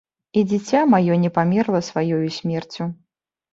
І дзіця маё не памерла сваёю смерцю.